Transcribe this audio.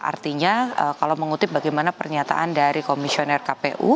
artinya kalau mengutip bagaimana pernyataan dari komisioner kpu